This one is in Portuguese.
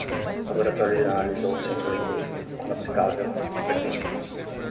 Laboratório de análise ou centro leiteiro, quando aplicável, a que pertencem.